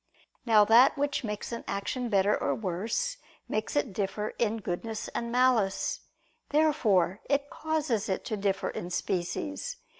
Now that which makes an action better or worse, makes it differ in goodness and malice. Therefore it causes it to differ in species.